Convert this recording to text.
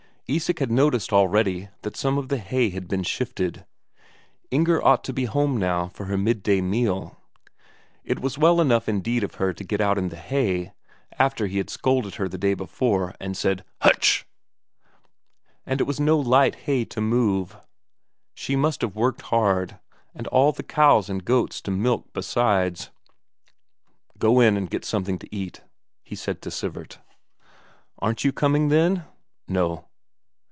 Isak had noticed already that some of the hay had been shifted; Inger ought to be home now for her midday meal. It was well done indeed of her to get in the hay, after he had scolded her the day before and said "Huttch!" And it was no light hay to move; she must have worked hard, and all the cows and goats to milk besides.... "Go in and get something to eat," he said to Sivert. "Aren't you coming, then?" "No."